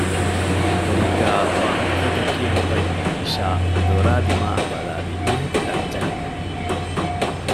ކޮޓަރީގައި ވާހަކަފޮތެއް ކިޔަން އޮތް ލީޝާ ދޮރާދިމާއަށް ބަލާލީ މީހަކު ޓަކިޖަހަން ހެދީމަ